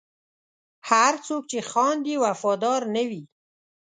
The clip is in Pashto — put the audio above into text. هر څوک چې خاندي، وفادار نه وي.